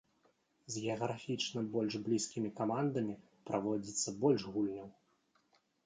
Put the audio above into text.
З геаграфічна больш блізкімі камандамі праводзіцца больш гульняў.